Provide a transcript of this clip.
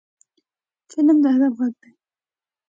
فلم د ادب غږ دی